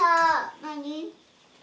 何？